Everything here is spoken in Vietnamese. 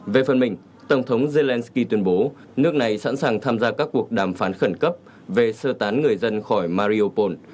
về phần mình tổng thống zelensky tuyên bố nước này sẵn sàng tham gia các cuộc đàm phán khẩn cấp về sơ tán người dân khỏi mariopol